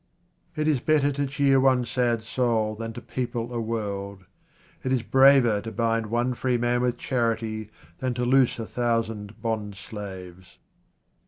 It is better to cheer one sad soul than to people a world. It is braver to bind one free man with charity than to loose a thousand bond slaves.